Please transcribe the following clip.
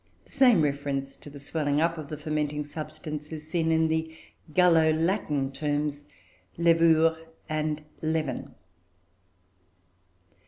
The same reference to the swelling up of the fermenting substance is seen in the Gallo Latin terms "levure" and "leaven."